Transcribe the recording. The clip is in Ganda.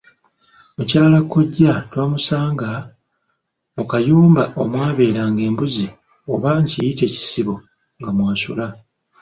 Mukyala kkojja twamusanga mu kayumba omwabeeranga embuzi oba nkiyite kisibo, nga mw'asula.